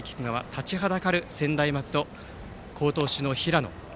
立ちはだかる専大松戸好投手の平野。